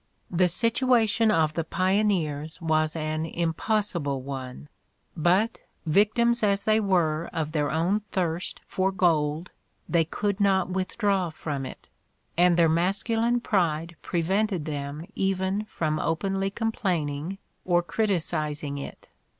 The situation of the pioneers was an impossible one, Mark Twain's Humor 203 but, victims as they were of their own thirst for gold, they could not withdraw from it; and their masculine pride prevented them even from openly complaining or criticising it.